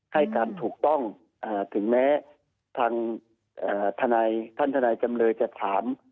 ให้การถูกต้องถึงแม้ทางทนายท่านทนายจำเลยจะถาม